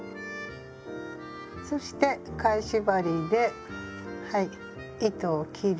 そして返し針ではい糸を切り。